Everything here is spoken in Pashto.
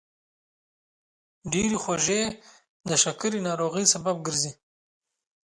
ډېرې خوږې د شکرې ناروغۍ سبب ګرځي.